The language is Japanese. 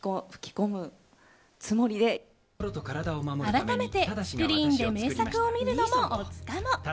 改めて、スクリーンで名作を見るのもオツかも。